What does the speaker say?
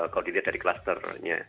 kalau dilihat dari klasternya